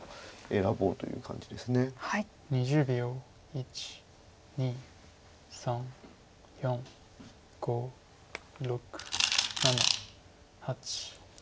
１２３４５６７８。